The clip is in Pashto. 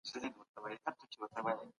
دلته هره ورځ د علمي مسايلو په اړه بحث کيږي.